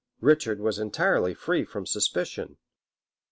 Richard was entirely free from suspicion.